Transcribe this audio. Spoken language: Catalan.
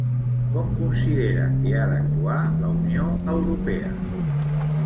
Com considera que ha d'actuar la Unió Europea?